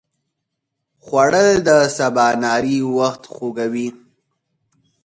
خوړل د سباناري وخت خوږوي